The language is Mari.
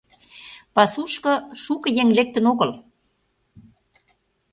Пасушко шуко еҥ лектын огыл.